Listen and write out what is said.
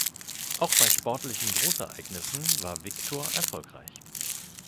Auch bei sportlichen Großereignissen war Victor erfolgreich.